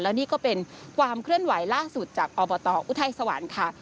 นี่ก็เป็นความเคลื่อนไหวล่าสุดจากอบตอุทัยสวรรค์ค่ะ